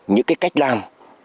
những cái cách làm